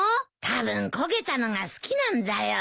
たぶん焦げたのが好きなんだよ。